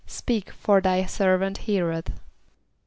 ="Speak, for thy servant heareth."